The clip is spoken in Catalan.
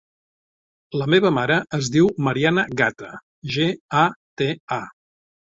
La meva mare es diu Mariana Gata: ge, a, te, a.